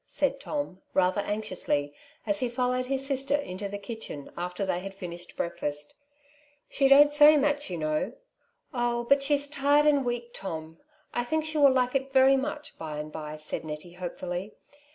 said Tom, rather anxiously, as he followed his sister into the kitchen after they had finished breakfast. " She don't say much, you know." '' Oh, but she's tired and weak, Tom. I think she will like it very much by and by," said Nettie hopefully.